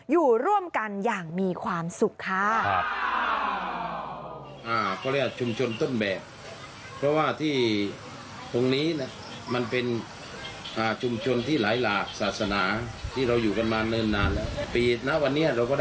อยู่ร่วมกันอย่างมีความสุขค่ะ